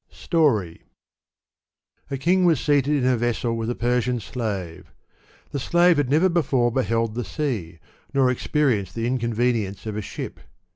^ Story. A king was seated in a vessel with a Persian slave. The slave had never before beheld the sea, nor expe rienced the inconvenience of a ship.